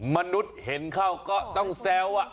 มนุษย์เห็นเข้าก็ต้องแซว